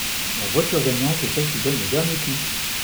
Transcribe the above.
La voiture gagnante est celle qui donne le dernier coup.